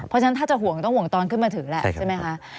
เพราะฉะนั้นถ้าจะห่วงต้องห่วงตอนขึ้นมาถึงแหละใช่ไหมคะ